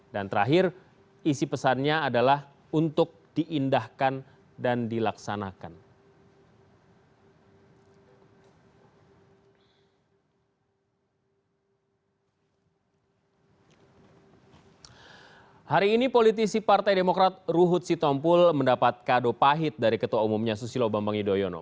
dan terakhir isi pesannya adalah untuk diindahkan dan dilaksanakan